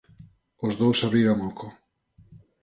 Os dous abriron oco.